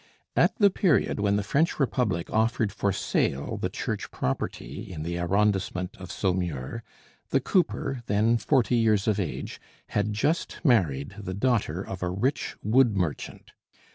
At the period when the French Republic offered for sale the church property in the arrondissement of Saumur, the cooper, then forty years of age, had just married the daughter of a rich wood merchant.